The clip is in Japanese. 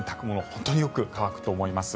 本当によく乾くと思います。